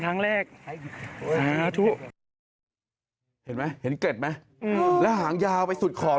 ต้องเอ็นไปทางนู้น